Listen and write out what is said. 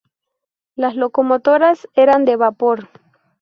Las locomotoras eran de vapor.